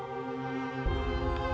semua yang elsa alamin sekarang